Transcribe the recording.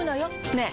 ねえ。